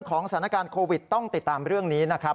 สถานการณ์โควิดต้องติดตามเรื่องนี้นะครับ